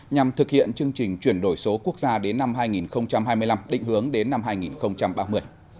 nhằm thực hiện chương trình chuyển đổi số quốc gia đến năm hai nghìn hai mươi năm định hướng đến năm hai nghìn ba mươi